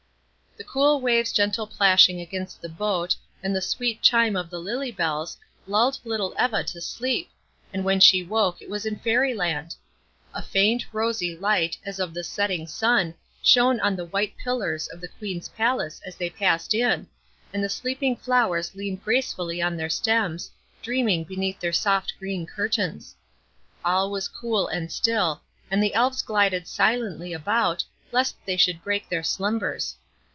The cool waves' gentle plashing against the boat, and the sweet chime of the lily bells, lulled little Eva to sleep, and when she woke it was in Fairy Land. A faint, rosy light, as of the setting sun, shone on the white pillars of the Queen's palace as they passed in, and the sleeping flowers leaned gracefully on their stems, dreaming beneath their soft green curtains. All was cool and still, and the Elves glided silently about, lest they should break their slumbers.